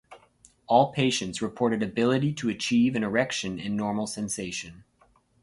All patients reported ability to achieve an erection and normal sensation.